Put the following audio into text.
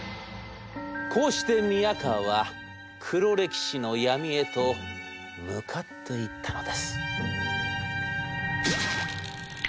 こうして宮河は黒歴史の闇へと向かっていったのです」。